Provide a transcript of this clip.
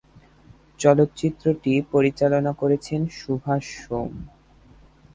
চলচ্চিত্রটি পরিচালনা করেছেন সুভাষ সোম।